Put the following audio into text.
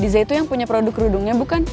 desa itu yang punya produk kerudungnya bukan